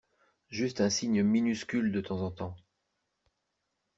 Juste un signe minuscule de temps en temps.